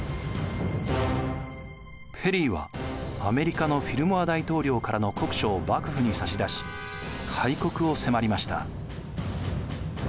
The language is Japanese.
ペリーはアメリカのフィルモア大統領からの国書を幕府に差し出し開国を迫りました。